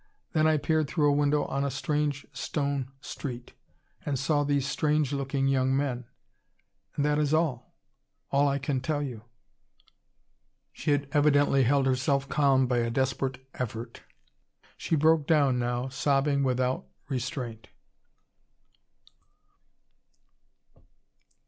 Then I peered through a window on a strange stone street. And saw these strange looking young men. And that is all all I can tell you." She had evidently held herself calm by a desperate effort. She broke down now, sobbing without restraint.